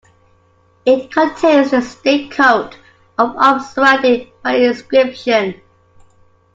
It contains the state coat of arms surrounded by an inscription.